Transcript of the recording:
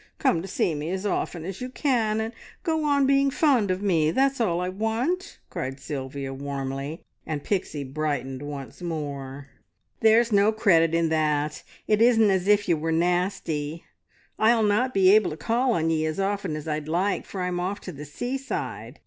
Come to see me as often as you can, and go on being fond of me that's all I want," cried Sylvia warmly, and Pixie brightened once more. "There's no credit in that. It isn't as if you were nasty. I'll not be able to call on ye as often as I'd like, for I'm off to the seaside.